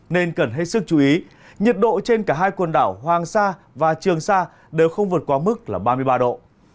nên cần hết sức chú ý nhiệt độ trên cả hai quần đảo hoàng sa và trường sa đều không vượt qua mức là ba mươi ba độ